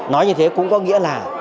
nói như thế cũng có nghĩa là